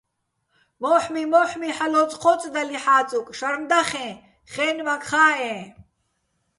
მო́ჰმი-მო́ჰ̦მი ჰ̦ალო̆ ოწჴო́წდალიჼ ჰ̦ა́წუკ, შარნ დახეჼ, ხე́ნმაქ ხა́ჸეჼ.